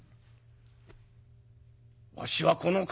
「わしはこの金」。